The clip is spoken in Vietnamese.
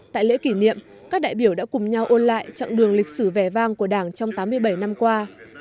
tại lễ kỷ niệm các đại biểu đã cùng nhau ôn lại chặng đường lịch sử vẻ vang của đảng trong tám mươi bảy năm qua